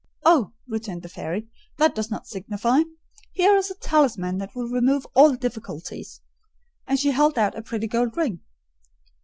"'Oh,' returned the fairy, 'that does not signify! Here is a talisman will remove all difficulties;' and she held out a pretty gold ring.